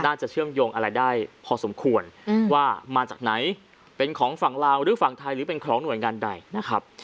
เชื่อมโยงอะไรได้พอสมควรว่ามาจากไหนเป็นของฝั่งลาวหรือฝั่งไทยหรือเป็นของหน่วยงานใดนะครับ